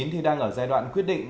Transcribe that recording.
thì đang ở giai đoạn quyết định